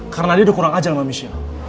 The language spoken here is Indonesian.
karena dia udah kurang ajar sama michelle